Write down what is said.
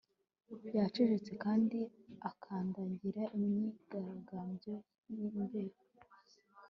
Yacecetse kandi akandagira imyigaragambyo yimbere